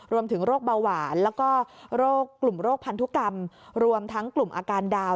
โรคเบาหวานแล้วก็โรคกลุ่มโรคพันธุกรรมรวมทั้งกลุ่มอาการดาว